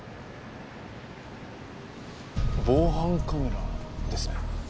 防犯カメラですね。